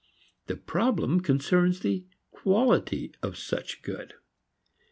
The problem concerns the quality of such a good.